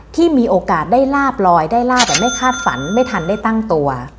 ที่มีโอกาสได้ลาบลอยได้ลาบแบบไม่คาดฝันไม่ทันได้ตั้งตัว